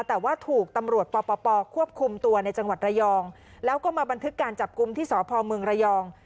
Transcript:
แต่ว่าถูกตำรวจปปควบคุมตัวในจังหวัดระยองแล้วก็มาบันทึกการจับกลุ่มที่สพเมืองระยอง